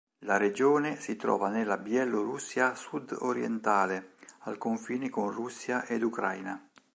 La regione si trova nella Bielorussia sudorientale, al confine con Russia ed Ucraina.